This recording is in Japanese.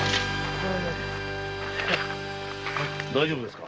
大丈夫ですか？